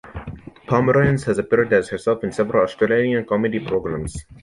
Pomeranz has appeared as herself in several Australian comedy programs.